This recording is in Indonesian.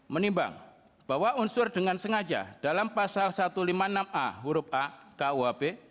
menimbang bahwa unsur dengan sengaja dalam pasal satu ratus lima puluh enam a huruf a kuhp